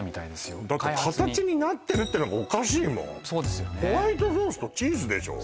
開発にだって形になってるってのがおかしいもんホワイトソースとチーズでしょう？